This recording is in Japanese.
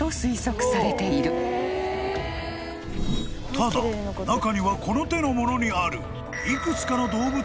［ただ中にはこの手のものにある］